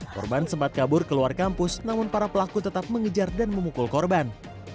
korban sempat kabur keluar kampus namun para pelaku tetap mengejar dan memukul korban